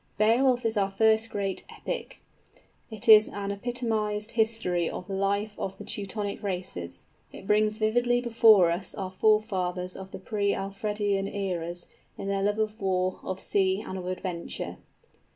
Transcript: Beowulf is our first great epic. It is an epitomized history of the life of the Teutonic races. It brings vividly before us our forefathers of pre Alfredian eras, in their love of war, of sea, and of adventure.